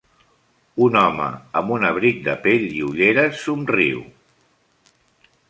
Un home amb un abric de pell i ulleres somriu.